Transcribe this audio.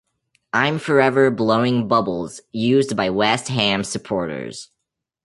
"I'm Forever Blowing Bubbles" used by West Ham supporters.